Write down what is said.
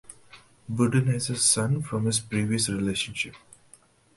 Budden has a son from a previous relationship.